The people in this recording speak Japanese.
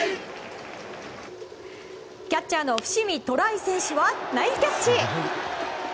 キャッチャーの伏見寅威選手はナイスキャッチ。